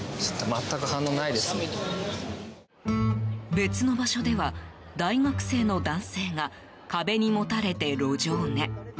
別の場所では大学生の男性が壁にもたれて路上寝。